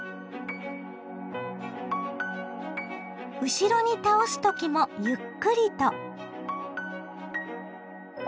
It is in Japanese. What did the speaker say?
後ろに倒す時もゆっくりと。